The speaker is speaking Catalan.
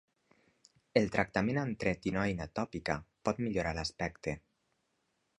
El tractament amb tretinoina tòpica pot millorar l'aspecte.